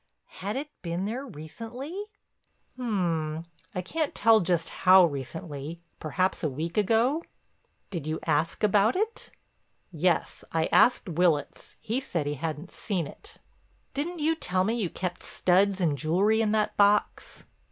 "Had it been there recently?" "Um—I can't tell just how recently—perhaps a week ago." "Did you ask about it?" "Yes, I asked Willitts. He said he hadn't seen it." "Didn't you tell me you kept studs and jewelry in that box?"